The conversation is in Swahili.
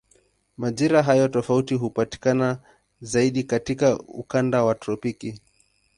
Majira hayo tofauti hupatikana zaidi katika ukanda wa tropiki.